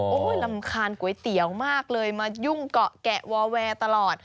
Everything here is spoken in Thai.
โอ้โหรำคาญก๋วยเตี๋ยวมากเลยมายุ่งเกาะแกะวอแวร์ตลอด